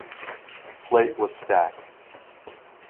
Plate was stacked.